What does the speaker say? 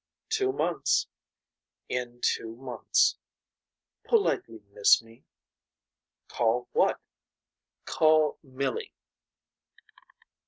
Two months. In two months. Politely miss me. Call what. Call Milly.